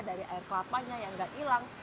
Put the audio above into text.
dari air kelapanya yang nggak hilang